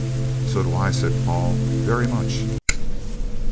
"So do I," said Paul; "very much."